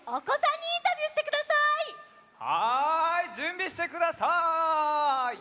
はいじゅんびしてください。